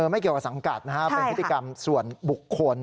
ไม่เกี่ยวกับสังกัดนะฮะเป็นพฤติกรรมส่วนบุคคล